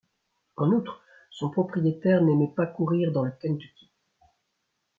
En outre, son propriétaire n'aimait pas courir dans le Kentucky.